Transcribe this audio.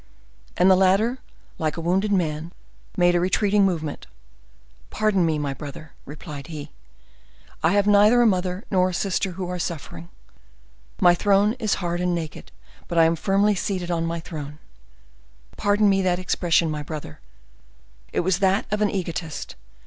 And the latter, like a wounded man, made a retreating movement—"Pardon me, my brother," replied he. "I have neither a mother nor a sister who are suffering. My throne is hard and naked, but I am firmly seated on my throne. Pardon me that expression, my brother; it was that of an egotist.